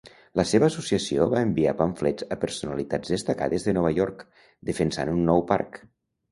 La seva associació va enviar pamflets a personalitats destacades de Nova York, defensant un nou parc.